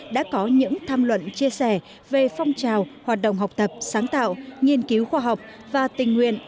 đã có những tham luận chia sẻ về phong trào hoạt động học tập sáng tạo nghiên cứu khoa học và tình nguyện